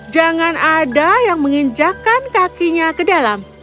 jangan ada yang menginjakan kakinya ke dalam